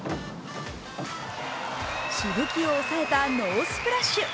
しぶきを抑えたノースプラッシュ。